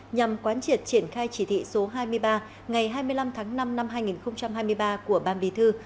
nhằm quán triệt triển khai chỉ thị số hai mươi ba ngày hai mươi năm tháng năm năm hai nghìn hai mươi ba của ban bì thư